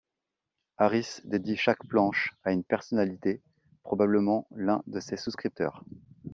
Harris dédie chaque planche à une personnalité, probablement l’un de ses souscripteurs.